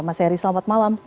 mas heri selamat malam